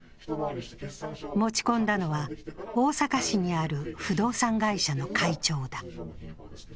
持ち込んだのは、大阪市にある不動産会社の会長だ。